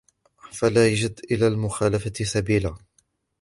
فَلَا يَجِدُ إلَى الْمُخَالَفَةِ سَبِيلًا